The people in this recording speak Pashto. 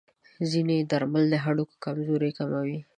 ځینې درمل د هډوکو کمزورتیا کموي.